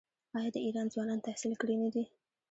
آیا د ایران ځوانان تحصیل کړي نه دي؟